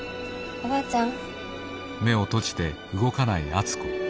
おばあちゃん。